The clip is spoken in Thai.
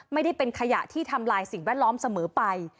ไม่ได้เป็นขยะที่ทำลายสิ่งแวดล้อมเสมอไป